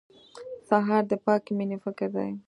سهار د پاکې مېنې فکر دی.